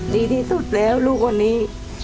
ดีที่สุดแล้วลูกคนนี้